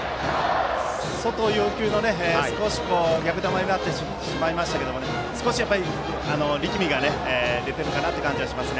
外要求で少し逆球になってしまいましたけども少し力みが出ている感じがします。